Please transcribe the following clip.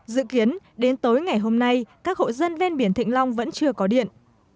dự kiến đến tối ngày hôm nay các hộ dân ven biển thịnh long vẫn chưa có điện